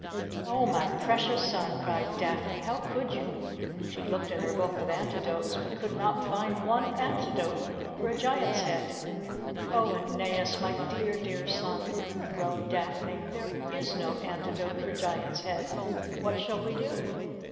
"O, my precious son!" cried Daphne, "how could you?" She looked in her book of antidotes, but could not find one antidote for a Giant's head. "O Aeneas, my dear, dear son!" groaned Daphne, "there is no antidote for Giant's head! What shall we do?"